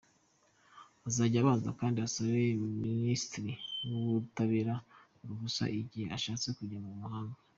Azajya abanza kandi asabe ministre w’ubutabera uruhusa igihe ashatse kujya mu mahanga.